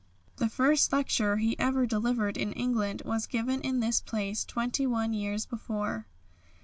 The first lecture he ever delivered in England was given in this place twenty one years before.